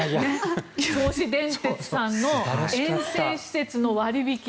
銚子電鉄さんの沿線施設の割引。